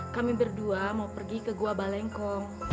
kami berdua mau pergi ke gua balengkong